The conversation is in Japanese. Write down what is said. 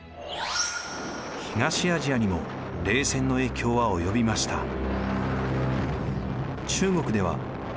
東アジアにも冷戦の影響は及びました。